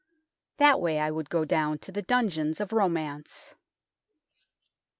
That way I would go down to the dungeons of romance.